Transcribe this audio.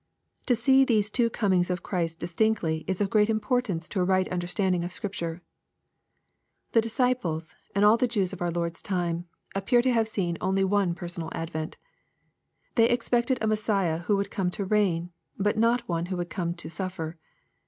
To see these two comings of Christ distinctly is of great importance to a right understanding of Scripture. The disciples, and all the Jews of our Lord's time, ap pear to have seen only one personal advent. They ex pected a Messiah who would come to reign, but not one who would come to suffer.